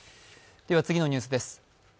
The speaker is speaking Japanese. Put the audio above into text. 次のニュースです。